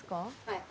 はい。